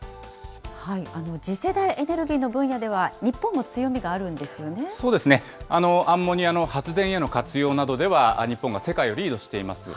次世代エネルギーの分野では、そうですね、アンモニアの発電への活動などでは、日本が世界をリードしています。